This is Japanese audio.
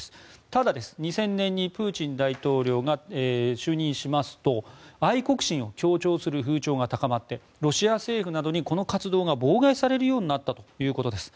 ただ、２０００年にプーチン大統領が就任しますと愛国心を強調する風潮が高まってロシア政府などにこの活動が妨害されるようになったということです。